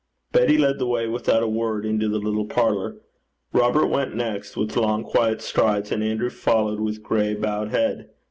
Betty led the way without a word into the little parlour. Robert went next, with long quiet strides, and Andrew followed with gray, bowed head.